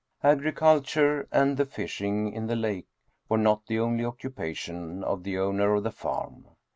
Agriculture and the fishing in the lake were not the only occupation of the owner of the farm.